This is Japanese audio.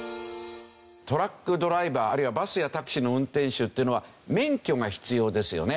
トラックドライバーあるいはバスやタクシーの運転手っていうのは免許が必要ですよね。